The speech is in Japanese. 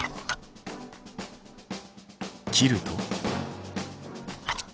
切ると。